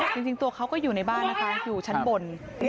จริงตัวเขาก็อยู่ในบ้านนะคะอยู่ชั้นบน